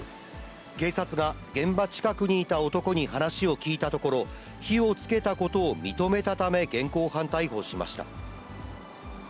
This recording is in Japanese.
警察が現場近くにいた男に話を聴いたところ、火をつけたことを認めたため、現行犯逮捕しました。